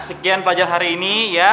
sekian pelajar hari ini ya